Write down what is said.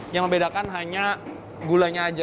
yang membedakan hanya gulanya aja